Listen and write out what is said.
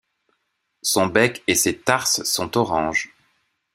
Son bec et ses tarses sont orange.